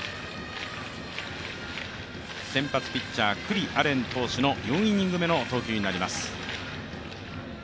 先発ピッチャー九里亜蓮投手の４イニング目の投球になります。